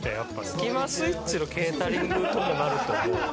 スキマスイッチのケータリングともなるともうこの感じだ。